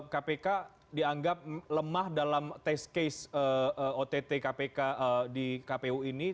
kpk dianggap lemah dalam test case ott kpk di kpu ini